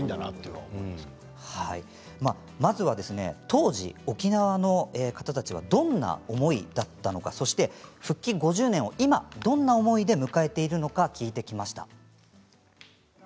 当時、沖縄の方たちはどんな思いだったのか復帰５０年をどんな思いで迎えているのか聞いてきました。